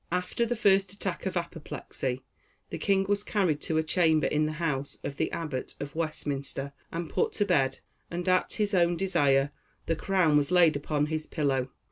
After the first attack of apoplexy the king was carried to a chamber in the house of the Abbot of Westminster, and put to bed, and at his own desire the crown was laid upon his pillow.